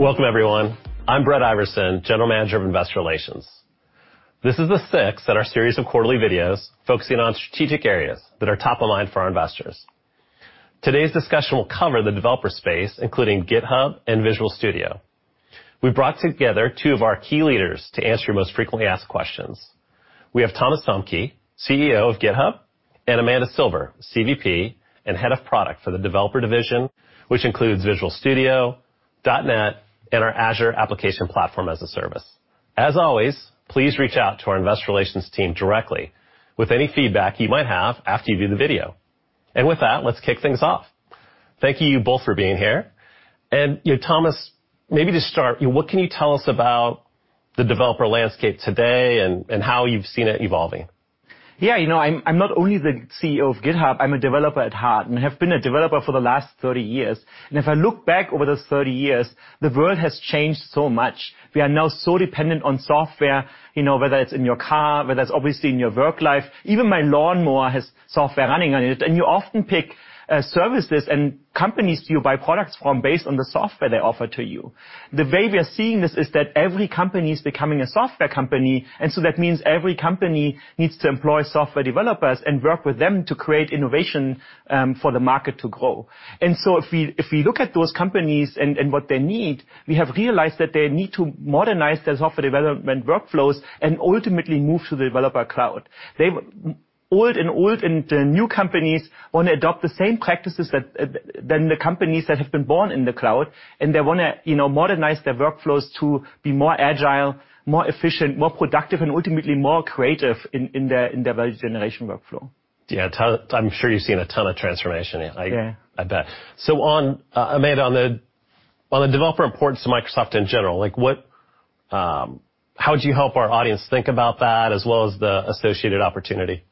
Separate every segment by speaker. Speaker 1: Welcome everyone. I'm Brett Iversen, General Manager of Investor Relations. This is the sixth in our series of quarterly videos focusing on strategic areas that are top of mind for our investors. Today's discussion will cover the developer space, including GitHub and Visual Studio. We brought together two of our key leaders to answer your most frequently asked questions. We have Thomas Dohmke, CEO of GitHub, and Amanda Silver, CVP and Head of Product for the developer division, which includes Visual Studio, .NET, and our Azure Application Platform as a service. As always, please reach out to our investor relations team directly with any feedback you might have after you view the video. With that, let's kick things off. Thank you both for being here. You know, Thomas, maybe to start, you know, what can you tell us about the developer landscape today and how you've seen it evolving?
Speaker 2: Yeah. You know, I'm not only the CEO of GitHub, I'm a developer at heart and have been a developer for the last 30 years. If I look back over those 30 years, the world has changed so much. We are now so dependent on software, you know, whether it's in your car, whether it's obviously in your work life. Even my lawnmower has software running on it. You often pick services and companies you buy products from based on the software they offer to you. The way we are seeing this is that every company is becoming a software company, and so that means every company needs to employ software developers and work with them to create innovation for the market to grow. If we look at those companies and what they need, we have realized that they need to modernize their software development workflows and ultimately move to the developer cloud. Old and new companies wanna adopt the same practices that than the companies that have been born in the cloud, and they wanna, you know, modernize their workflows to be more agile, more efficient, more productive, and ultimately more creative in their value generation workflow.
Speaker 1: Yeah. I'm sure you've seen a ton of transformation.
Speaker 2: Yeah.
Speaker 1: I bet. Amanda, on the developer importance to Microsoft in general, like what, how would you help our audience think about that as well as the associated opportunity?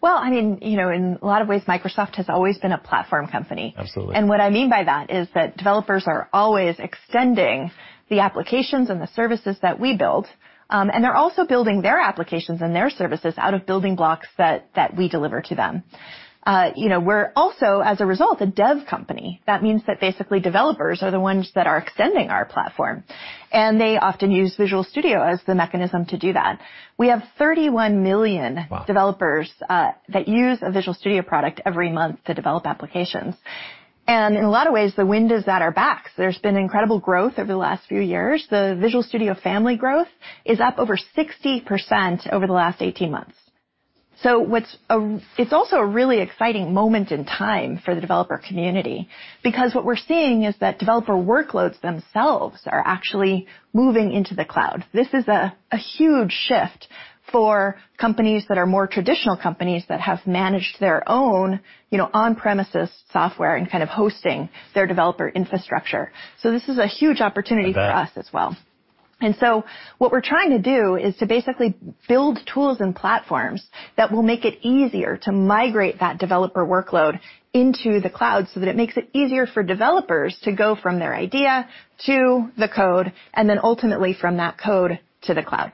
Speaker 3: Well, I mean, you know, in a lot of ways Microsoft has always been a platform company.
Speaker 1: Absolutely.
Speaker 3: What I mean by that is that developers are always extending the applications and the services that we build, and they're also building their applications and their services out of building blocks that we deliver to them. You know, we're also, as a result, a dev company. That means that basically developers are the ones that are extending our platform, and they often use Visual Studio as the mechanism to do that. We have 31 million-
Speaker 1: Wow.
Speaker 3: developers that use a Visual Studio product every month to develop applications. In a lot of ways, the wind is at our backs. There's been incredible growth over the last few years. The Visual Studio family growth is up over 60% over the last 18 months. It's also a really exciting moment in time for the developer community, because what we're seeing is that developer workloads themselves are actually moving into the cloud. This is a huge shift for companies that are more traditional companies that have managed their own, you know, on-premises software and kind of hosting their developer infrastructure. This is a huge opportunity.
Speaker 1: I bet.
Speaker 3: For us as well. What we're trying to do is to basically build tools and platforms that will make it easier to migrate that developer workload into the cloud so that it makes it easier for developers to go from their idea to the code and then ultimately from that code to the cloud.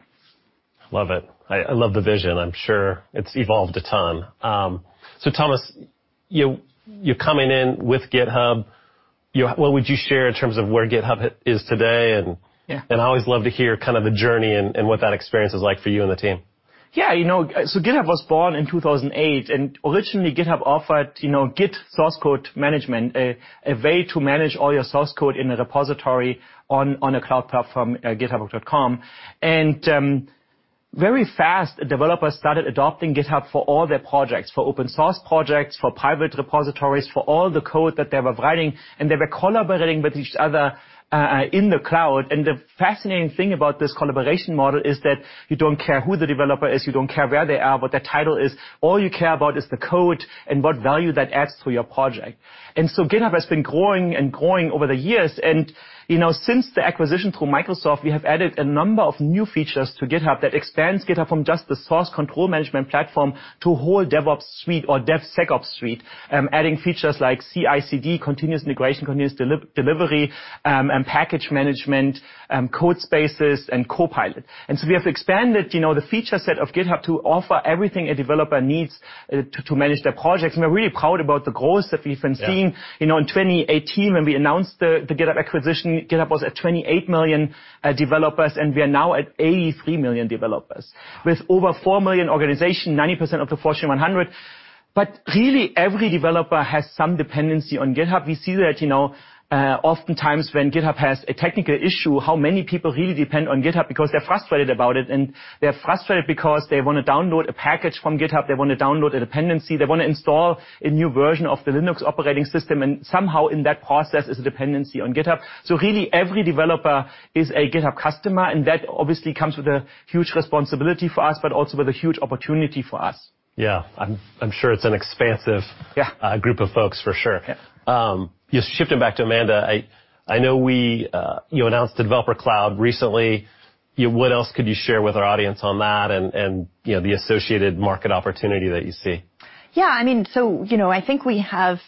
Speaker 1: Love it. I love the vision. I'm sure it's evolved a ton. Thomas, you're coming in with GitHub. What would you share in terms of where GitHub is today and
Speaker 2: Yeah.
Speaker 1: I always love to hear kind of the journey and what that experience is like for you and the team.
Speaker 2: Yeah, you know, GitHub was born in 2008, and originally GitHub offered, you know, Git source code management, a way to manage all your source code in a repository on a cloud platform at github.com. Very fast, developers started adopting GitHub for all their projects, for open source projects, for private repositories, for all the code that they were writing. They were collaborating with each other in the cloud. The fascinating thing about this collaboration model is that you don't care who the developer is, you don't care where they are, what their title is. All you care about is the code and what value that adds to your project. GitHub has been growing and growing over the years. You know, since the acquisition through Microsoft, we have added a number of new features to GitHub that expands GitHub from just the source control management platform to whole DevOps Suite or DevSecOps Suite, adding features like CI/CD, continuous integration, continuous delivery, and package management, Codespaces, and Copilot. We have expanded, you know, the feature set of GitHub to offer everything a developer needs to manage their projects. We're really proud about the growth that we've been seeing.
Speaker 1: Yeah.
Speaker 2: You know, in 2018 when we announced the GitHub acquisition, GitHub was at 28 million developers, and we are now at 83 million developers with over 4 million organizations, 90% of the Fortune 100. Really every developer has some dependency on GitHub. We see that, you know, oftentimes when GitHub has a technical issue, how many people really depend on GitHub because they're frustrated about it, and they're frustrated because they wanna download a package from GitHub. They wanna download a dependency. They wanna install a new version of the Linux operating system. Somehow in that process is a dependency on GitHub. Really every developer is a GitHub customer, and that obviously comes with a huge responsibility for us, but also with a huge opportunity for us.
Speaker 1: Yeah. I'm sure it's an expansive-
Speaker 2: Yeah.
Speaker 1: group of folks for sure.
Speaker 2: Yeah.
Speaker 1: Just shifting back to Amanda, I know you announced the developer cloud recently. What else could you share with our audience on that and, you know, the associated market opportunity that you see?
Speaker 3: Yeah, I mean, you know, I think we have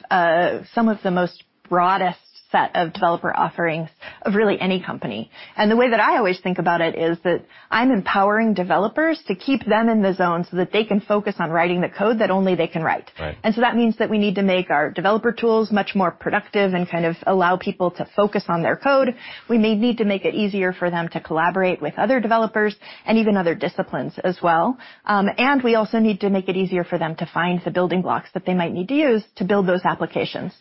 Speaker 3: some of the most broadest set of developer offerings of really any company. The way that I always think about it is that I'm empowering developers to keep them in the zone so that they can focus on writing the code that only they can write.
Speaker 1: Right.
Speaker 3: that means that we need to make our developer tools much more productive and kind of allow people to focus on their code. We may need to make it easier for them to collaborate with other developers and even other disciplines as well. We also need to make it easier for them to find the building blocks that they might need to use to build those applications.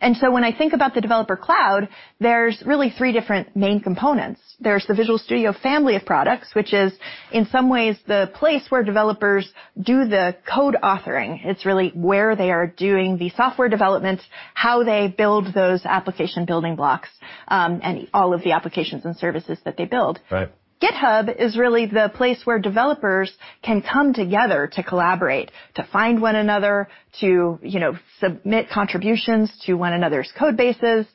Speaker 3: When I think about the developer cloud, there's really three different main components. There's the Visual Studio family of products, which is in some ways the place where developers do the code authoring. It's really where they are doing the software development, how they build those application building blocks, and all of the applications and services that they build.
Speaker 1: Right.
Speaker 3: GitHub is really the place where developers can come together to collaborate, to find one another, to, you know, submit contributions to one another's code bases,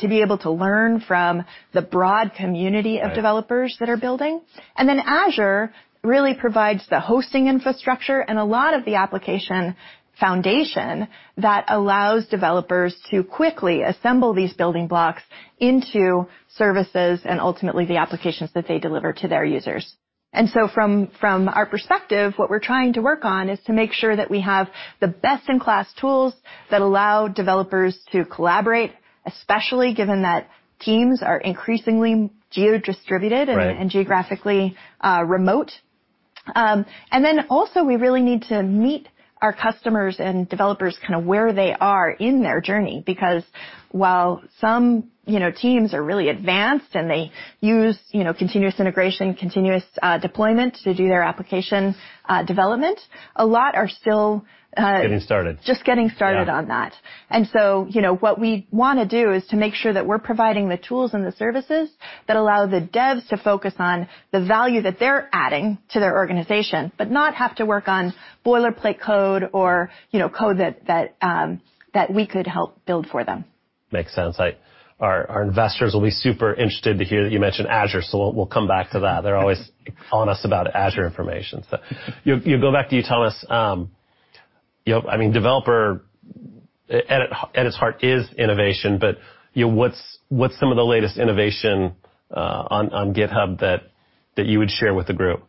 Speaker 3: to be able to learn from the broad community.
Speaker 1: Right.
Speaker 3: of developers that are building. Azure really provides the hosting infrastructure and a lot of the application foundation that allows developers to quickly assemble these building blocks into services and ultimately the applications that they deliver to their users. From our perspective, what we're trying to work on is to make sure that we have the best in class tools that allow developers to collaborate, especially given that teams are increasingly geo-distributed.
Speaker 1: Right.
Speaker 3: geographically remote. Also we really need to meet our customers and developers kind of where they are in their journey, because while some, you know, teams are really advanced and they use, you know, continuous integration, continuous deployment to do their application development, a lot are still
Speaker 1: Getting started.
Speaker 3: Just getting started on that.
Speaker 1: Yeah.
Speaker 3: You know, what we wanna do is to make sure that we're providing the tools and the services that allow the devs to focus on the value that they're adding to their organization, but not have to work on boilerplate code or, you know, code that we could help build for them.
Speaker 1: Makes sense. Our investors will be super interested to hear that you mentioned Azure, so we'll come back to that. They're always on us about Azure information. Back to you, Thomas. You know, I mean, development at its heart is innovation, but you know, what's some of the latest innovation on GitHub that you would share with the group?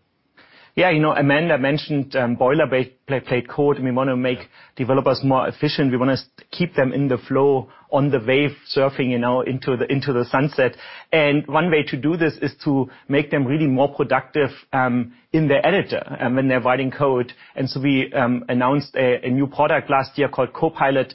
Speaker 2: Yeah. You know, Amanda mentioned boilerplate code, and we wanna make developers more efficient. We wanna keep them in the flow, on the wave, surfing, you know, into the sunset. One way to do this is to make them really more productive in their editor and when they're writing code. We announced a new product last year called Copilot,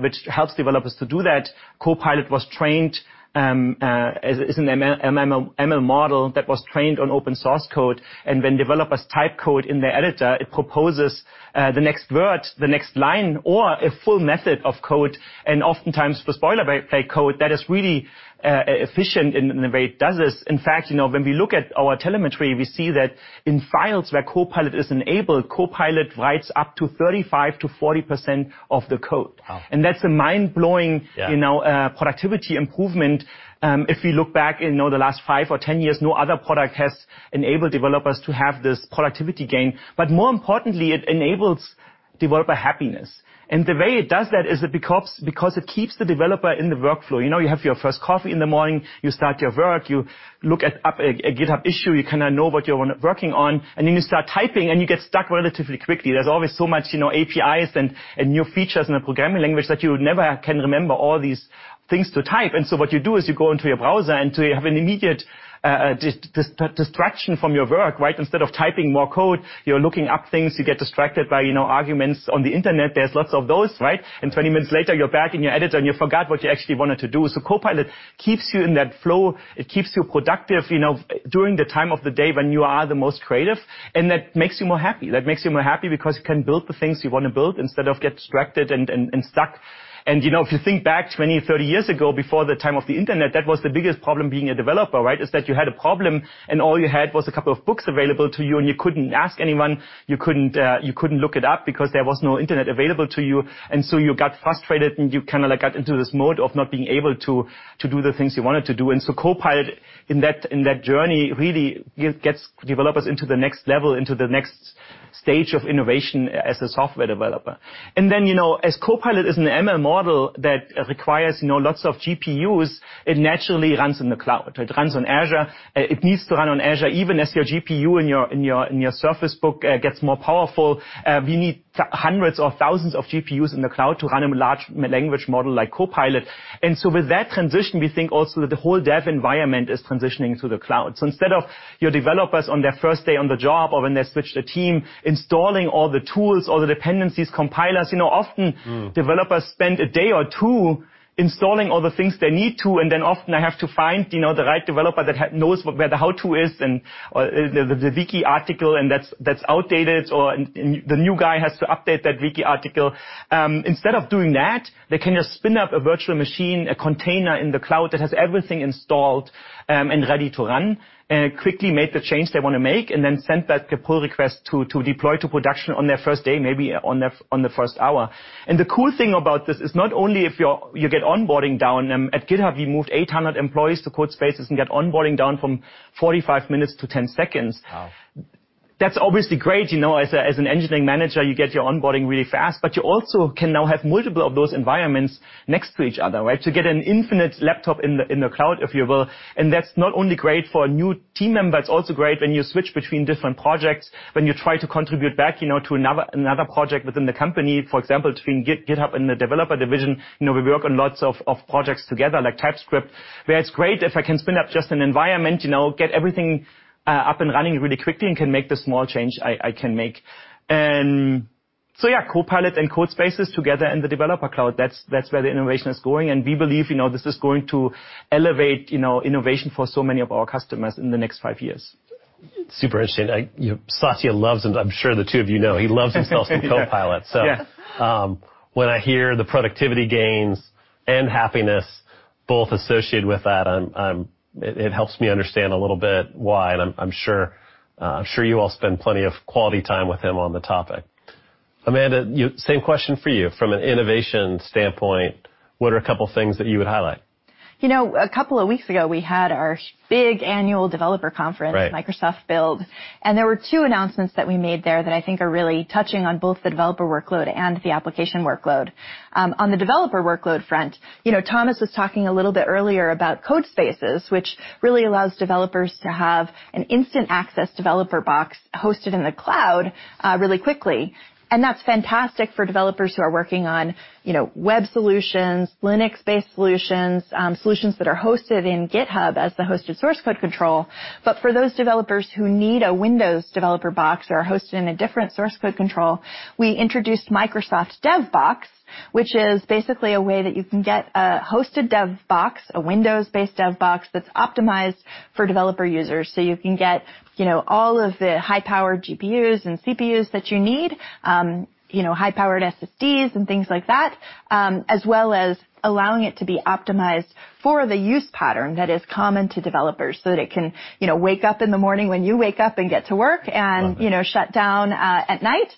Speaker 2: which helps developers to do that. Copilot was trained, is an ML model that was trained on open source code. When developers type code in their editor, it proposes the next word, the next line or a full method of code, and oftentimes the boilerplate code that is really efficient in the way it does this. In fact, you know, when we look at our telemetry, we see that in files where Copilot is enabled, Copilot writes up to 35%-40% of the code.
Speaker 1: Wow!
Speaker 2: That's a mind-blowing.
Speaker 1: Yeah.
Speaker 2: You know, productivity improvement. If we look back, you know, the last five or 10 years, no other product has enabled developers to have this productivity gain. More importantly, it enables developer happiness. The way it does that is because it keeps the developer in the workflow. You know, you have your first coffee in the morning, you start your work, you look up a GitHub issue, you kinda know what you're working on, and then you start typing, and you get stuck relatively quickly. There's always so much, you know, APIs and new features in a programming language that you never can remember all these things to type. What you do is you go into your browser, and so you have an immediate distraction from your work, right? Instead of typing more code, you're looking up things. You get distracted by, you know, arguments on the Internet. There's lots of those, right? Twenty minutes later, you're back in your editor, and you forgot what you actually wanted to do. Copilot keeps you in that flow. It keeps you productive, you know, during the time of the day when you are the most creative, and that makes you more happy. That makes you more happy because you can build the things you want to build instead of get distracted and stuck. You know, if you think back 20, 30 years ago, before the time of the Internet, that was the biggest problem being a developer, right? It's that you had a problem, and all you had was a couple of books available to you, and you couldn't ask anyone. You couldn't look it up because there was no Internet available to you. You got frustrated, and you kinda like got into this mode of not being able to do the things you wanted to do. Copilot in that journey really gets developers into the next level, into the next stage of innovation as a software developer. You know, as Copilot is an ML model that requires you know, lots of GPUs, it naturally runs in the cloud. It runs on Azure. It needs to run on Azure. Even as your GPU in your Surface Book gets more powerful, we need hundreds of thousands of GPUs in the cloud to run a large language model like Copilot. With that transition, we think also that the whole dev environment is transitioning to the cloud. Instead of your developers on their first day on the job or when they switch the team, installing all the tools or the dependencies, compilers, you know, often
Speaker 1: Mm.
Speaker 2: Developers spend a day or two installing all the things they need to, and then often they have to find, you know, the right developer that knows where the how-to is and the Wiki article, and that's outdated. Or the new guy has to update that Wiki article. Instead of doing that, they can just spin up a virtual machine, a container in the cloud that has everything installed, and ready to run, quickly make the change they wanna make, and then send that pull request to deploy to production on their first day, maybe on their first hour. The cool thing about this is not only you get onboarding down. At GitHub, we moved 800 employees to Codespaces and get onboarding down from 45 minutes to 10 seconds.
Speaker 1: Wow!
Speaker 2: That's obviously great, you know, as an engineering manager, you get your onboarding really fast, but you also can now have multiple of those environments next to each other, right? To get an infinite laptop in the cloud, if you will. That's not only great for a new team member, it's also great when you switch between different projects, when you try to contribute back, you know, to another project within the company. For example, between GitHub and the developer division, you know, we work on lots of projects together like TypeScript, where it's great if I can spin up just an environment, you know, get everything up and running really quickly and can make the small change I can make. Yeah, Copilot and Codespaces together in the developer cloud, that's where the innovation is going. We believe, you know, this is going to elevate, you know, innovation for so many of our customers in the next five years.
Speaker 1: Super interesting. You know, Satya loves, and I'm sure the two of you know, he loves himself some Copilot.
Speaker 2: Yeah.
Speaker 1: When I hear the productivity gains and happiness both associated with that, it helps me understand a little bit why. I'm sure you all spend plenty of quality time with him on the topic. Amanda, same question for you. From an innovation standpoint, what are a couple things that you would highlight?
Speaker 3: You know, a couple of weeks ago, we had our big annual developer conference.
Speaker 1: Right.
Speaker 3: Microsoft Build, there were two announcements that we made there that I think are really touching on both the developer workload and the application workload. On the developer workload front, you know, Thomas was talking a little bit earlier about Codespaces, which really allows developers to have an instant access developer box hosted in the cloud, really quickly. That's fantastic for developers who are working on, you know, web solutions, Linux-based solutions that are hosted in GitHub as the hosted source code control. For those developers who need a Windows developer box or are hosted in a different source code control, we introduced Microsoft Dev Box, which is basically a way that you can get a hosted dev box, a Windows-based dev box that's optimized for developer users. You can get, you know, all of the high-powered GPUs and CPUs that you need, you know, high-powered SSDs and things like that, as well as allowing it to be optimized for the use pattern that is common to developers so that it can, you know, wake up in the morning when you wake up and get to work and.
Speaker 1: Love it.
Speaker 3: You know, shut down at night.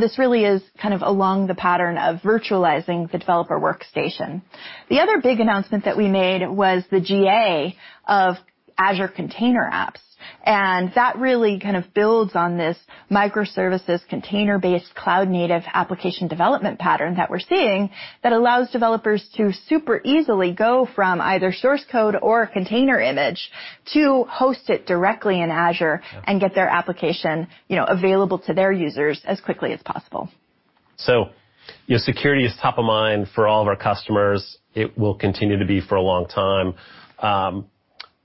Speaker 3: This really is kind of along the pattern of virtualizing the developer workstation. The other big announcement that we made was the GA of Azure Container Apps, and that really kind of builds on this microservices container-based cloud-native application development pattern that we're seeing that allows developers to super easily go from either source code or container image to host it directly in Azure.
Speaker 1: Yeah.
Speaker 3: get their application, you know, available to their users as quickly as possible.
Speaker 1: Your security is top of mind for all of our customers. It will continue to be for a long time.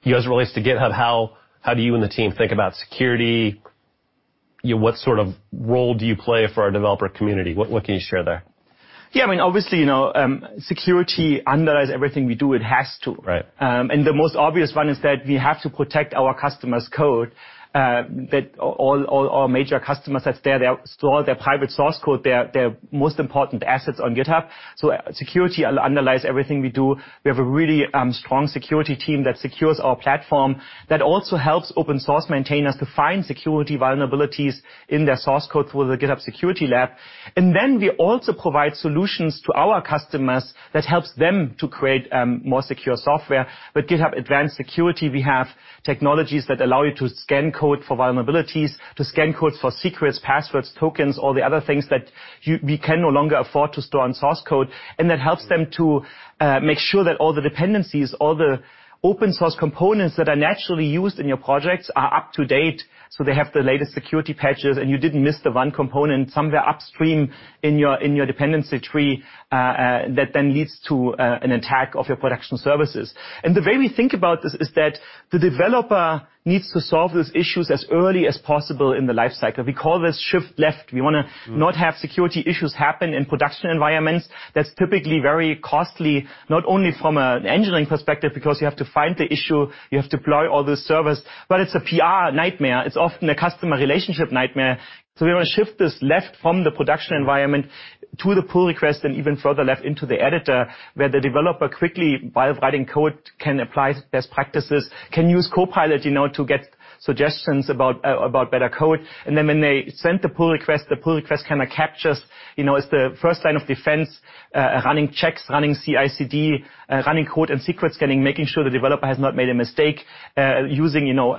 Speaker 1: You guys are related to GitHub. How do you and the team think about security? You know, what sort of role do you play for our developer community? What can you share there?
Speaker 2: Yeah, I mean, obviously, you know, security underlies everything we do. It has to.
Speaker 1: Right.
Speaker 2: The most obvious one is that we have to protect our customers' code, that all our major customers, that's where they store their private source code, their most important assets on GitHub. Security underlies everything we do. We have a really strong security team that secures our platform that also helps open-source maintainers to find security vulnerabilities in their source code through the GitHub Security Lab. We also provide solutions to our customers that helps them to create more secure software. With GitHub Advanced Security, we have technologies that allow you to scan code for vulnerabilities, to scan codes for secrets, passwords, tokens, all the other things that we can no longer afford to store on source code. That helps them to make sure that all the dependencies, all the open source components that are naturally used in your projects are up to date. They have the latest security patches, and you didn't miss the one component somewhere upstream in your dependency tree that then leads to an attack of your production services. The way we think about this is that the developer needs to solve these issues as early as possible in the life cycle. We call this shift left.
Speaker 1: Mm-hmm.
Speaker 2: We wanna not have security issues happen in production environments. That's typically very costly, not only from an engineering perspective, because you have to find the issue, you have to deploy all the servers, but it's a PR nightmare. It's often a customer relationship nightmare. We want to shift this left from the production environment to the pull request and even further left into the editor, where the developer quickly, while writing code, can apply best practices, can use Copilot, you know, to get suggestions about better code. Then when they send the pull request, the pull request kinda captures, you know, it's the first line of defense, running checks, running CI/CD, running code and secret scanning, making sure the developer has not made a mistake, using, you know,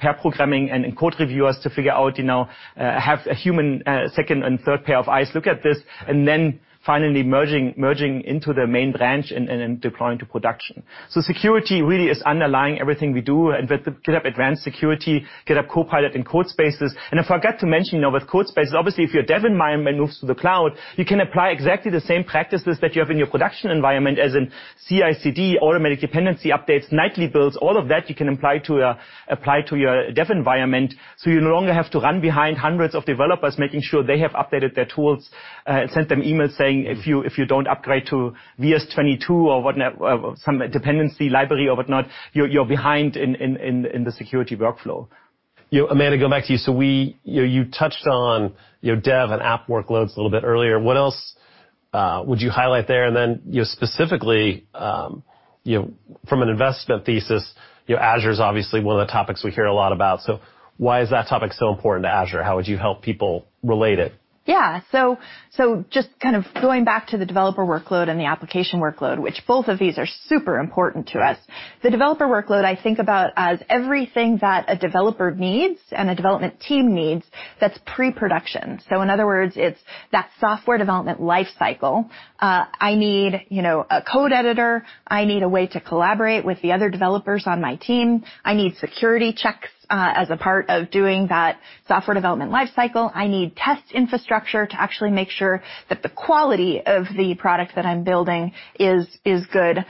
Speaker 2: pair programming and code reviewers to figure out, you know, have a human, second and third pair of eyes look at this, and then finally merging into the main branch and then deploying to production. Security really is underlying everything we do, and with the GitHub Advanced Security, GitHub Copilot and Codespaces. I forgot to mention, you know, with Codespaces, obviously, if your dev environment moves to the cloud, you can apply exactly the same practices that you have in your production environment, as in CI/CD, automatic dependency updates, nightly builds, all of that you can apply to your dev environment. You no longer have to run behind hundreds of developers, making sure they have updated their tools, sent them emails saying, "If you don't upgrade to VS 2022 or whatnot, some dependency library or whatnot, you're behind in the security workflow.
Speaker 1: Amanda, go back to you. You know, you touched on, you know, dev and app workloads a little bit earlier. What else would you highlight there? You know, specifically, you know, from an investment thesis, you know, Azure is obviously one of the topics we hear a lot about. Why is that topic so important to Azure? How would you help people relate it?
Speaker 3: Yeah. Just kind of going back to the developer workload and the application workload, which both of these are super important to us. The developer workload, I think about as everything that a developer needs and a development team needs that's pre-production. In other words, it's that software development life cycle. I need, you know, a code editor, I need a way to collaborate with the other developers on my team, I need security checks as a part of doing that software development life cycle. I need test infrastructure to actually make sure that the quality of the product that I'm building is good.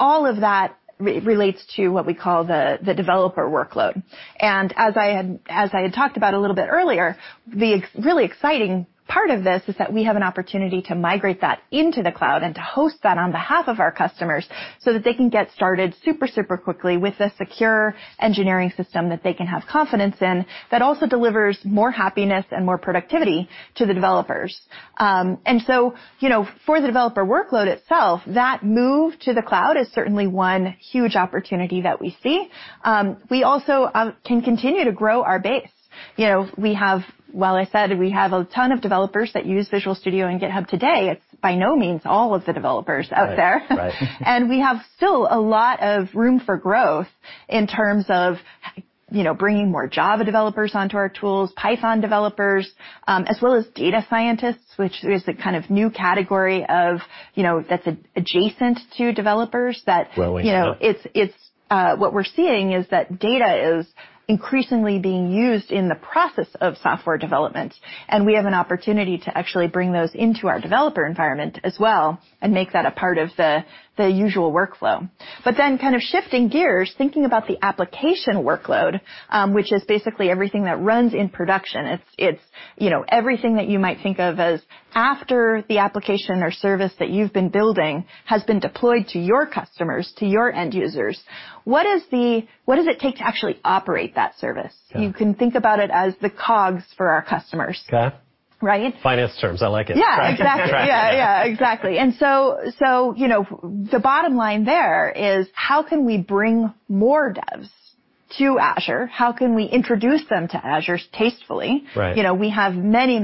Speaker 3: All of that relates to what we call the developer workload. As I had talked about a little bit earlier, the really exciting part of this is that we have an opportunity to migrate that into the cloud and to host that on behalf of our customers so that they can get started super quickly with a secure engineering system that they can have confidence in that also delivers more happiness and more productivity to the developers. You know, for the developer workload itself, that move to the cloud is certainly one huge opportunity that we see. We also can continue to grow our base. You know, while I said we have a ton of developers that use Visual Studio and GitHub today, it is by no means all of the developers out there.
Speaker 1: Right. Right.
Speaker 3: We have still a lot of room for growth in terms of, you know, bringing more Java developers onto our tools, Python developers, as well as data scientists, which is a kind of new category of, you know, that's adjacent to developers that.
Speaker 1: Growing, yeah.
Speaker 3: You know, it's what we're seeing is that data is increasingly being used in the process of software development, and we have an opportunity to actually bring those into our developer environment as well and make that a part of the usual workflow. Kind of shifting gears, thinking about the application workload, which is basically everything that runs in production. It's you know, everything that you might think of as after the application or service that you've been building has been deployed to your customers, to your end users. What does it take to actually operate that service?
Speaker 1: Yeah.
Speaker 3: You can think about it as the cogs for our customers.
Speaker 1: Okay.
Speaker 3: Right?
Speaker 1: Finance terms. I like it.
Speaker 3: Yeah, exactly.
Speaker 1: Track.
Speaker 3: Yeah, yeah, exactly. You know, the bottom line there is how can we bring more devs to Azure? How can we introduce them to Azure tastefully?
Speaker 1: Right.
Speaker 3: You know, we have many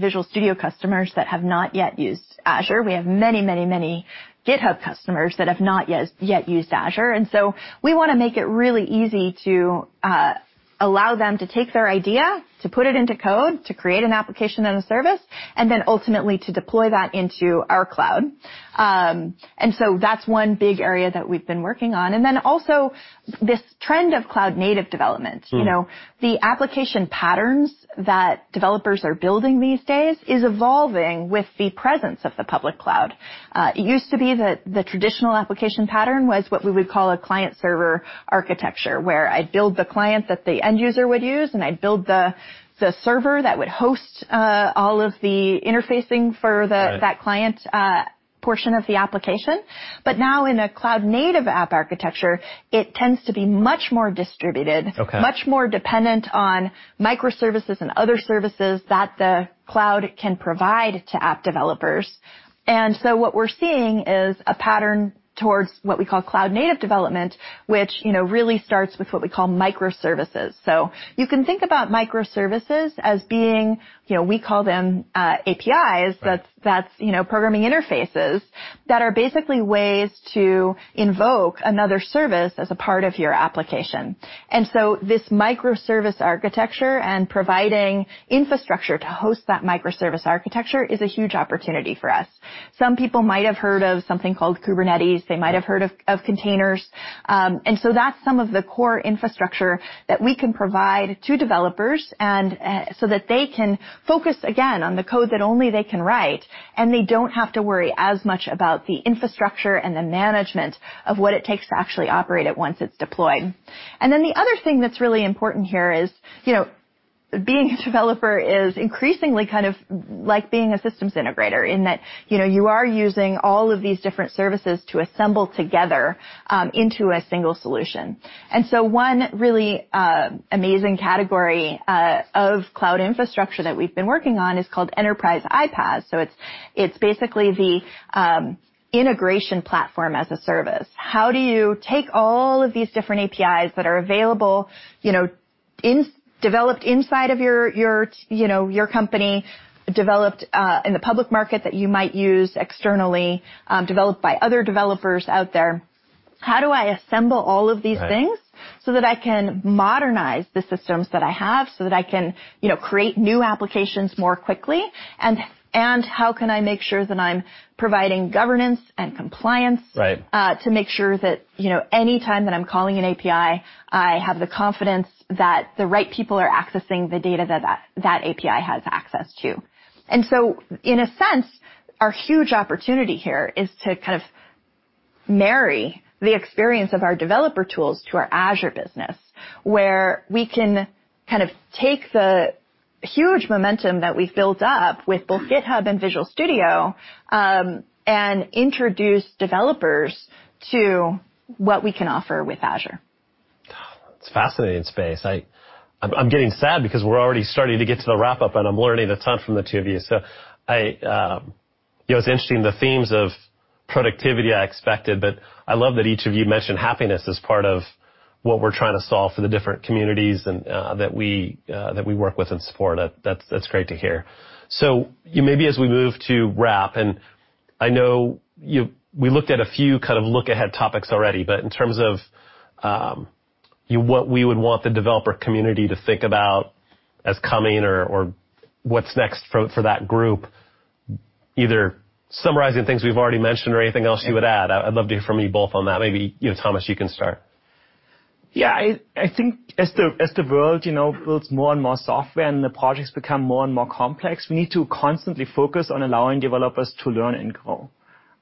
Speaker 3: Visual Studio customers that have not yet used Azure. We have many GitHub customers that have not yet used Azure. We wanna make it really easy to allow them to take their idea, to put it into code, to create an application and a service, and then ultimately to deploy that into our cloud. That's one big area that we've been working on. Also this trend of cloud-native development.
Speaker 1: Mm.
Speaker 3: You know, the application patterns that developers are building these days is evolving with the presence of the public cloud. It used to be that the traditional application pattern was what we would call a client-server architecture, where I'd build the client that the end user would use, and I'd build the server that would host all of the interfacing for the
Speaker 1: Right.
Speaker 3: that client portion of the application. Now in a cloud-native app architecture, it tends to be much more distributed.
Speaker 1: Okay.
Speaker 3: Much more dependent on microservices and other services that the cloud can provide to app developers. What we're seeing is a pattern towards what we call cloud-native development, which, you know, really starts with what we call microservices. You can think about microservices as being, you know, we call them APIs.
Speaker 1: Right.
Speaker 3: That's, you know, programming interfaces that are basically ways to invoke another service as a part of your application. This microservice architecture and providing infrastructure to host that microservice architecture is a huge opportunity for us. Some people might have heard of something called Kubernetes. They might have heard of containers. That's some of the core infrastructure that we can provide to developers so that they can focus again on the code that only they can write, and they don't have to worry as much about the infrastructure and the management of what it takes to actually operate it once it's deployed. The other thing that's really important here is, you know, being a developer is increasingly kind of like being a systems integrator, in that, you know, you are using all of these different services to assemble together into a single solution. One really amazing category of cloud infrastructure that we've been working on is called Enterprise IPaaS. It's basically the integration platform as a service. How do you take all of these different APIs that are available, you know, developed inside of your company, developed in the public market that you might use externally, developed by other developers out there? How do I assemble all of these things?
Speaker 1: Right.
Speaker 3: so that I can modernize the systems that I have so that I can, you know, create new applications more quickly? How can I make sure that I'm providing governance and compliance?
Speaker 1: Right.
Speaker 3: To make sure that, you know, anytime that I'm calling an API, I have the confidence that the right people are accessing the data that API has access to. In a sense, our huge opportunity here is to kind of marry the experience of our developer tools to our Azure business, where we can kind of take the huge momentum that we've built up with both GitHub and Visual Studio, and introduce developers to what we can offer with Azure.
Speaker 1: It's a fascinating space. I'm getting sad because we're already starting to get to the wrap-up, and I'm learning a ton from the two of you. I expected the themes of productivity, but I love that each of you mentioned happiness as part of what we're trying to solve for the different communities that we work with and support. That's great to hear. Maybe as we move to wrap, and I know we looked at a few kind of look-ahead topics already, but in terms of, you know, what we would want the developer community to think about as coming or what's next for that group, either summarizing things we've already mentioned or anything else you would add. I would love to hear from you both on that. Maybe, you know, Thomas, you can start.
Speaker 2: Yeah. I think as the world, you know, builds more and more software, and the projects become more and more complex, we need to constantly focus on allowing developers to learn and grow,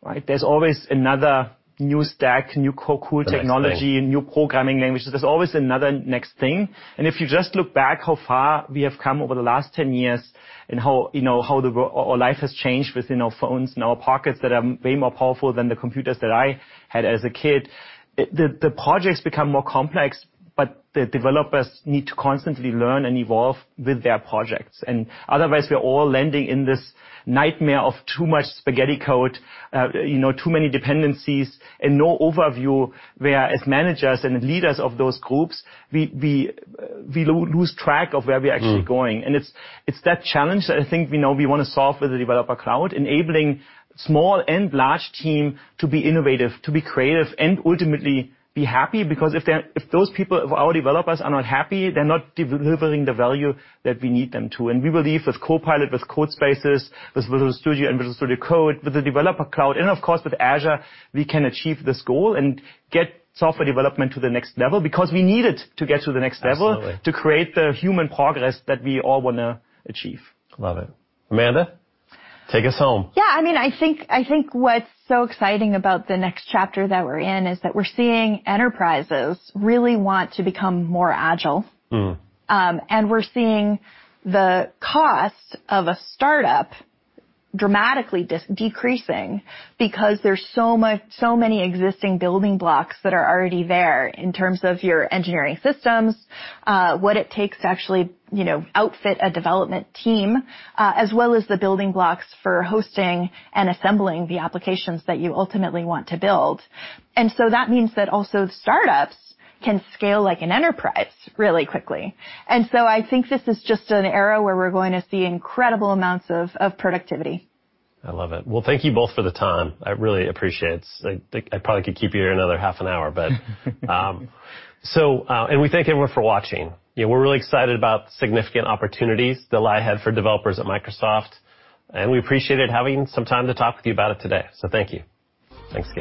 Speaker 2: right? There's always another new stack, new cool technology.
Speaker 1: That's true.
Speaker 2: New programming languages. There's always another next thing. If you just look back how far we have come over the last 10 years and how, you know, how the world or life has changed within our phones, in our pockets that are way more powerful than the computers that I had as a kid, projects become more complex, but the developers need to constantly learn and evolve with their projects. Otherwise, we are all landing in this nightmare of too much spaghetti code, you know, too many dependencies and no overview, where as managers and leaders of those groups, we lose track of where we're actually going.
Speaker 1: Mm.
Speaker 2: It's that challenge that I think we know we wanna solve with the Developer Cloud, enabling small and large team to be innovative, to be creative, and ultimately be happy because if they're, if those people, if our developers are not happy, they're not delivering the value that we need them to. We believe with Copilot, with Codespaces, with Visual Studio and Visual Studio Code, with the Developer Cloud, and of course with Azure, we can achieve this goal and get software development to the next level because we need it to get to the next level.
Speaker 1: Absolutely.
Speaker 2: To create the human progress that we all wanna achieve.
Speaker 1: Love it. Amanda, take us home.
Speaker 3: Yeah, I mean, I think what's so exciting about the next chapter that we're in is that we're seeing enterprises really want to become more agile.
Speaker 1: Mm.
Speaker 3: We're seeing the cost of a startup dramatically decreasing because there's so many existing building blocks that are already there in terms of your engineering systems, what it takes to actually, you know, outfit a development team, as well as the building blocks for hosting and assembling the applications that you ultimately want to build. That means that also startups can scale like an enterprise really quickly. I think this is just an era where we're going to see incredible amounts of productivity.
Speaker 1: I love it. Well, thank you both for the time. I really appreciate it. I probably could keep you here another half an hour, but. We thank everyone for watching. You know, we're really excited about significant opportunities that lie ahead for developers at Microsoft, and we appreciated having some time to talk with you about it today. Thank you. Thanks, team.